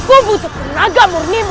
aku butuh penaga murnimu